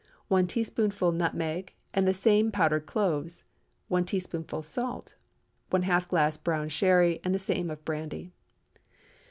1 teaspoonful nutmeg and the same powdered cloves. 1 teaspoonful salt. ½ glass brown Sherry and the same of brandy.